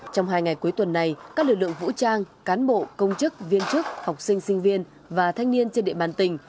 trong hai ngày cuối tuần này các lực lượng vũ trang cán bộ công chức viên chức học sinh sinh viên và thanh niên trên địa bàn tỉnh